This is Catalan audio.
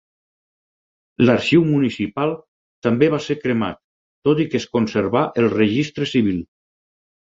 L'arxiu municipal també va ser cremat, tot i que es conservà el registre civil.